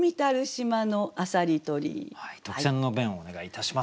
特選の弁をお願いいたします。